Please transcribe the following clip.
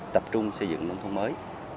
tập trung xây dựng nông thôn mới